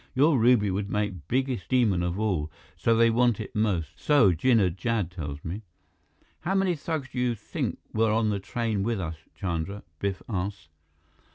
Your ruby would make biggest demon of all, so they want it most. So Jinnah Jad tells me." "How many thugs do you think were on the train with us, Chandra?" Biff asked.